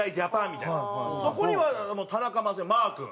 そこには田中将大マー君。